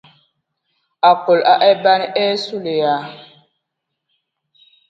Akol a eban e ! Zulǝyaŋ!